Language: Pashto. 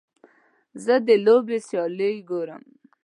زه د لوبې سیالۍ ګورم.